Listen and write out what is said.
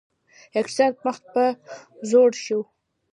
اقتصاد مخ په ځوړ شو